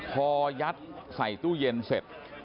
พอยัดใส่ตู้เย็นเสร็จ